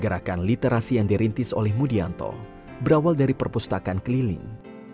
gerakan literasi yang dirintis oleh mudianto berawal dari perpustakaan keliling